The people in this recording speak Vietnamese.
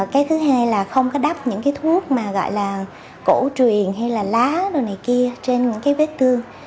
cái thứ hai là không có đắp những cái thuốc mà gọi là cổ truyền hay là lá rồi này kia trên những cái vết tương